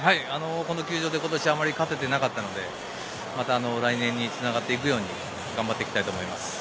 この球場で今年あまり勝てていなかったので、また来年につながっていくように頑張っていきたいと思います。